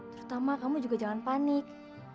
terutama kamu juga jangan panik